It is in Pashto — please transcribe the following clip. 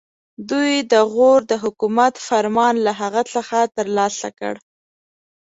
دوی د غور د حکومت فرمان له هغه څخه ترلاسه کړ.